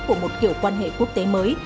của một kiểu quan hệ quốc tế mới